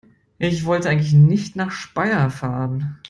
Ich wollte eigentlich nicht nach Speyer fahren